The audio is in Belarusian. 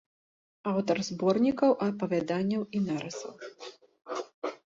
Аўтар зборнікаў апавяданняў і нарысаў.